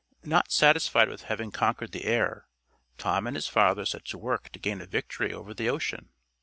Not satisfied with having conquered the air, Tom and his father set to work to gain a victory over the ocean.